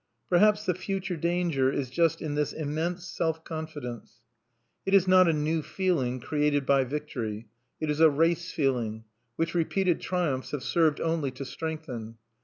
Perhaps the future danger is just in this immense self confidence. It is not a new feeling created by victory. It is a race feeling, which repeated triumphs have served only to strengthen.